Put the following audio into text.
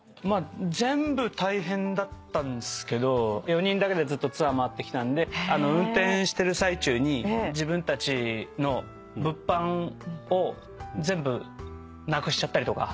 全部大変だったんですけど４人だけでずっとツアー回ってきたんで運転してる最中に自分たちの物販を全部なくしちゃったりとか。